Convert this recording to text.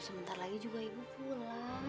sebentar lagi juga ibu pulang